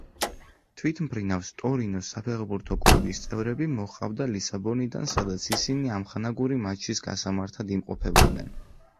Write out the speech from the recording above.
თვითმფრინავს ტორინოს საფეხბურთო კლუბის წევრები მოჰყავდა ლისაბონიდან, სადაც ისინი ამხანაგური მატჩის გასამართად იმყოფებოდნენ.